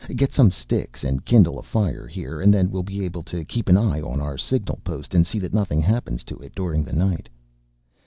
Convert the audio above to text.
Get some sticks and kindle a fire here, and then we’ll be able to keep an eye on our signal post, and see that nothing happens to it during the night.